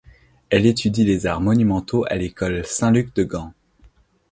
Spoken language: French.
Elle étudie les arts monumentaux à l'école Saint-Luc de Gand.